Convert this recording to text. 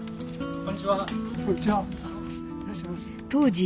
こんにちは。